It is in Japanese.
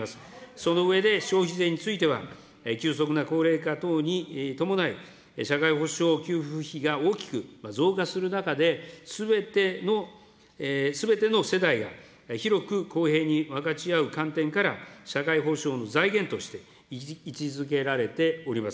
その上で消費税については、急速な高齢化等に伴い、社会保障給付費が大きく増加する中で、すべての世代が広く公平に分かち合う観点から、社会保障の財源として、位置づけられております。